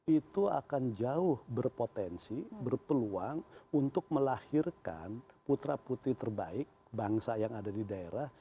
itu akan jauh berpotensi berpeluang untuk melahirkan putra putri terbaik bangsa yang ada di daerah